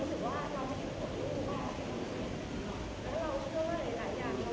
สวัสดีครับสวัสดีครับ